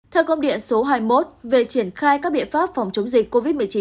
theo công điện số hai mươi một về triển khai các biện pháp phòng chống dịch covid một mươi chín